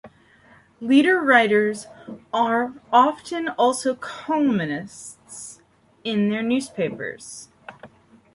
Leader writers are often also columnists in their newspapers.